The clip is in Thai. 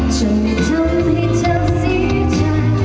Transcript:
จะไม่ทำให้เธอซีชัน